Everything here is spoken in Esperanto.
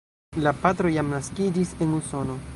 La patro jam naskiĝis en Usono.